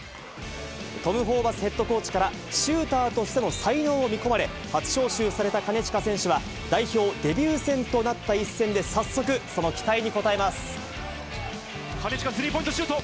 トム・ホーバスヘッドコーチから、シューターとしての才能を見込まれ、初招集された金近選手は、代表デビュー戦となった一戦で早金近、スリーポイントシュート。